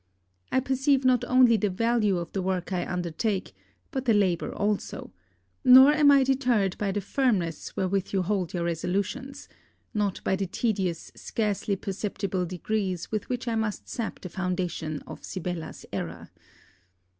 I perceive not only the value of the work I undertake, but the labour also; nor am I deterred by the firmness wherewith you hold your resolutions, not by the tedious scarcely perceptible degrees with which I must sap the foundation of Sibella's error.